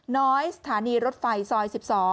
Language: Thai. น้อยสถานีรถไฟซอย๑๒